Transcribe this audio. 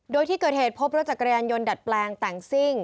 โดยที่เกิดเหตุพบรถจักรยานยนต์ดัดแปลงแต่งซิ่ง